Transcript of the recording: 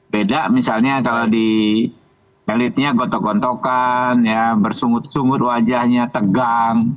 beda misalnya kalau di elitnya gotok gontokan bersungut sungut wajahnya tegang